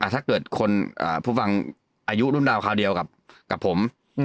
ถ้าเกิดคนผู้ฟังอายุรุ่นราวคราวเดียวกับผม